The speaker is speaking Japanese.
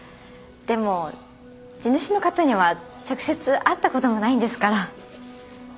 でも地主の方には直接会った事もないんですから。